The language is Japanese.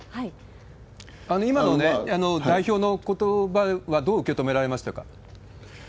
今のね、代表のことばはどう受け止められましたか？